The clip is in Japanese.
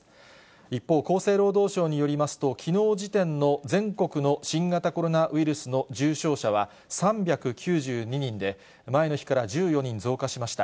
一方、厚生労働省によりますと、きのう時点の全国の新型コロナウイルスの重症者は３９２人で、前の日から１４人増加しました。